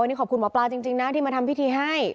นี่ขอบคุณหมอปลาจริงนะที่มาทำพิธีให้